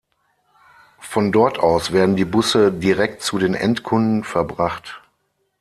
Von dort aus werden die Busse direkt zu den Endkunden verbracht.